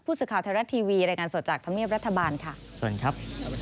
สื่อข่าวไทยรัฐทีวีรายงานสดจากธรรมเนียบรัฐบาลค่ะเชิญครับ